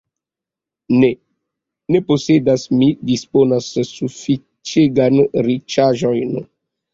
Ne, ne posedas, mi disponas sufiĉegan riĉaĵon.